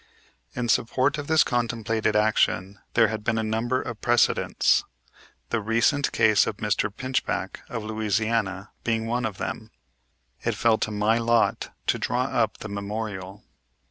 In support of this contemplated action there had been a number of precedents, the recent case of Mr. Pinchback, of Louisiana, being one of them. It fell to my lot to draw up the memorial.